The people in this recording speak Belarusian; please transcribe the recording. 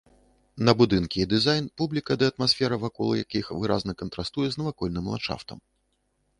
На будынкі і дызайн, публіка ды атмасфера вакол якіх выразна кантрастуе з навакольным ландшафтам.